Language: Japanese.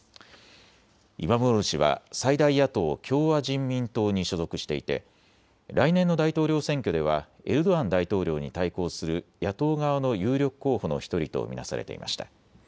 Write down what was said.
イマムオール氏は最大野党、共和人民党に所属していて来年の大統領選挙ではエルドアン大統領に対抗する野党側の有力候補の１人と見なされていました。